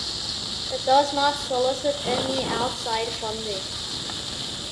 It does not solicit any outside funding.